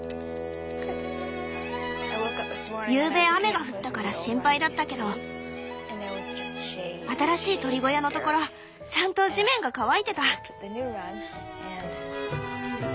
ゆうべ雨が降ったから心配だったけど新しい鶏小屋のところちゃんと地面が乾いてた。